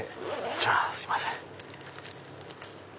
じゃあすいません。